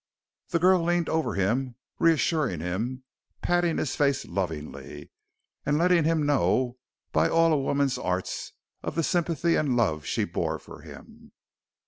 The girl leaned over him, reassuring him, patting his face lovingly, letting him know by all a woman's arts of the sympathy and love she bore for him.